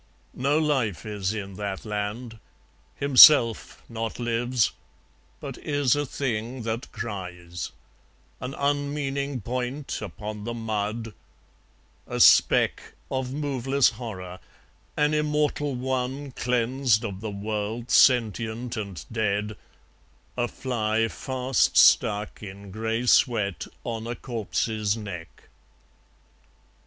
No life is in that land, Himself not lives, but is a thing that cries; An unmeaning point upon the mud; a speck Of moveless horror; an Immortal One Cleansed of the world, sentient and dead; a fly Fast stuck in grey sweat on a corpse's neck.